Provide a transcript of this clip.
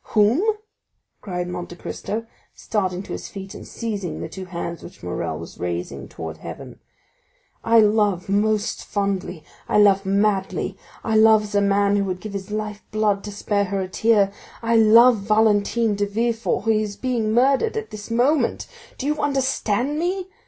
—whom?" cried Monte Cristo, starting to his feet, and seizing the two hands which Morrel was raising towards heaven. "I love most fondly—I love madly—I love as a man who would give his life blood to spare her a tear—I love Valentine de Villefort, who is being murdered at this moment! Do you understand me?